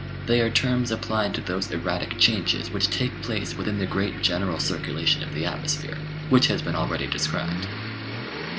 They are terms applied to those erratic changes which take place within the great general circulation of the atmosphere which has been already described.